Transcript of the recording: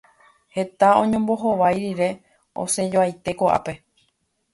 Heta oñombohovái rire, osẽjoaite okápe.